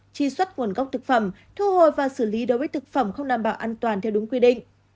truy xuất nguồn gốc thực phẩm thu hồi và xử lý đối với thực phẩm không đảm bảo an toàn theo đúng quy định